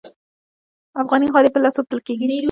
افغاني غالۍ په لاس اوبدل کیږي